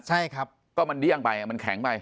ใช่ครับก็มันเดี้ยงไปมันแข็งไป